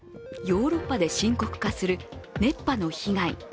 ヨーロッパで深刻化する熱波の被害。